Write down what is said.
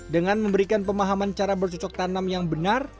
dengan memberikan pemahaman cara bercocok tanam yang benar